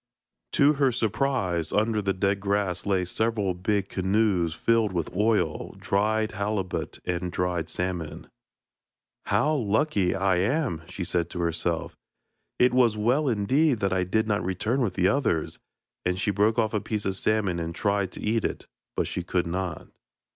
To her surprise, under the dead grass lay several big canoes filled with oil, dried halibut and dried salmon. 'How lucky I am!' she said to herself; 'it was well indeed that I did not return with the others,' and she broke off a piece of salmon and tried to eat it, but she could not.